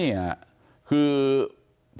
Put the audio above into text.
โอ้โห